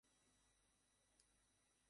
এগুলো কী বলতে পারবেন?